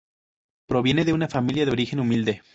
Proviene de una familia de origen humilde.